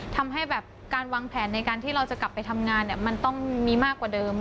ทำให้แบบการวางแผนในการที่เราจะกลับไปทำงานมันต้องมีมากกว่าเดิม